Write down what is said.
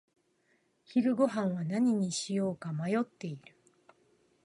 昼ごはんは何にしようか迷っている。